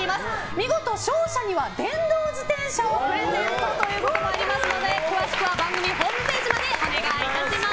見事勝者には電動自転車をプレゼントということもありますので詳しくは番組ホームページまでお願いします！